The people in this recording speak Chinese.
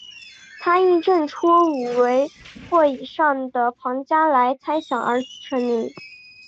他因证出五维或以上的庞加莱猜想而成名。